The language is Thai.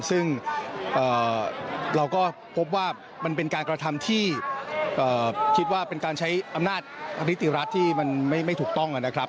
ซึ่งเราก็พบว่ามันเป็นการกระทำที่คิดว่าเป็นการใช้อำนาจนิติรัฐที่มันไม่ถูกต้องนะครับ